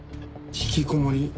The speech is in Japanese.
引きこもり？